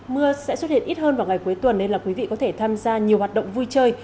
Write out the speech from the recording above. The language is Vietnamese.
mưa sẽ xuất hiện ít hơn vào ngày cuối tuần nên là quý vị có thể tham gia nhiều hoạt động vui chơi